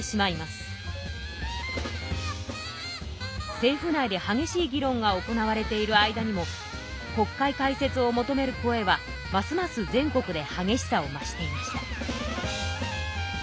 政府内ではげしい議論が行われている間にも国会開設を求める声はますます全国ではげしさを増していました。